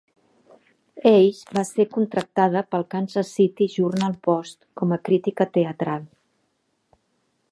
Ace va ser contractada pel Kansas City Journal-Post com a crítica teatral.